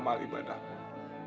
abu adah yang bernasib baik